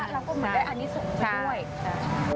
แล้วก็เหมือนได้อันนี้ส่งมาช่วย